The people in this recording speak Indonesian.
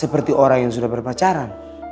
seperti orang yang sudah berpacaran